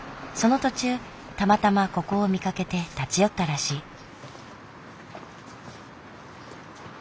その途中たまたまここを見かけて立ち寄ったらしい。